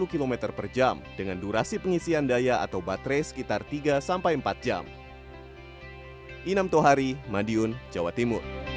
dua puluh km per jam dengan durasi pengisian daya atau baterai sekitar tiga sampai empat jam